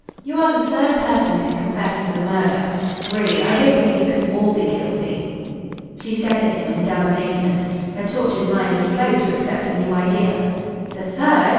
You are the third person to confess to the murder. Really, I don't believe you can all be guilty." She stared at him in dumb amazement. Her tortured mind was slow to accept a new idea. "The third!"